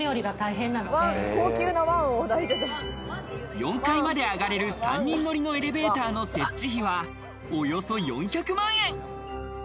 ４階まで上がれる３人乗りのエレベーターの設置費はおよそ４００万円。